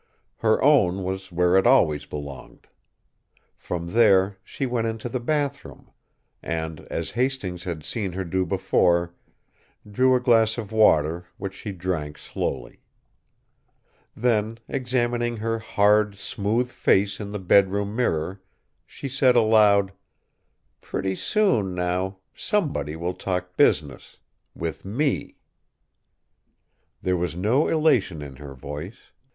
Her own was where it always belonged. From there she went into the bathroom and, as Hastings had seen her do before, drew a glass of water which she drank slowly. Then, examining her hard, smooth face in the bedroom mirror, she said aloud: "Pretty soon, now, somebody will talk business with me." There was no elation in her voice.